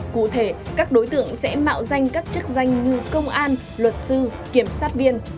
cụ thể các đối tượng sẽ mạo danh các chức danh như công an luật sư kiểm sát viên